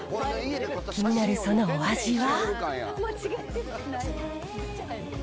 気になるそのお味は？